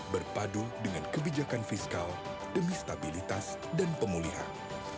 berpadu dengan kebijakan fiskal demi stabilitas dan pemulihan